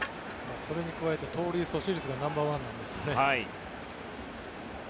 それに加えて盗塁阻止率がナンバーワンなんですよね。